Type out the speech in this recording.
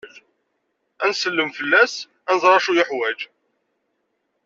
Ad nsellem fell-as, ad nẓer acu yuḥwaǧ.